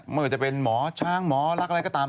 ไม่ว่าจะเป็นหมอช้างหมอรักอะไรก็ตาม